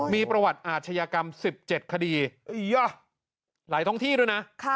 มีประวัติอาชญากรรมสิบเจ็ดคดีอียะหลายทั้งที่ด้วยน่ะค่ะ